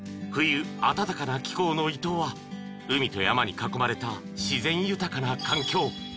冬暖かな気候の伊東は海と山に囲まれた自然豊かな環境］